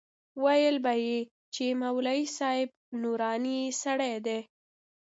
ويل به يې چې مولوي صاحب نوراني سړى دى.